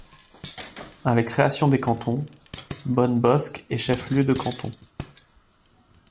À la création des cantons, Bonnebosq est chef-lieu de canton.